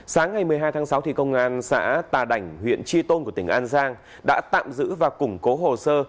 sáng ngày một mươi hai tháng sáu công an xã tà đảnh huyện tri tôn của tỉnh an giang đã tạm giữ và củng cố hồ sơ